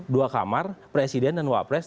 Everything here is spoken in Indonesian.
dua kamar presiden dan wapres